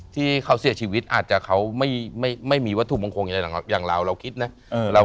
ที่เขาเสียชีวิตอาจจะเขาไม่มีวัตถุมงคลอะไรอย่างเราเราคิดนะ